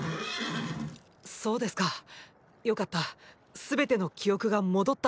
そうですかよかった全ての記憶が戻ったんですね。